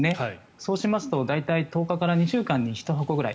そうしますと、大体１０日から２週間に１箱ぐらい。